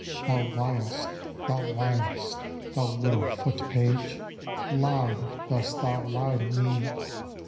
Thou liest, thou liest, thou little foot page, Loud dost thou lie to me!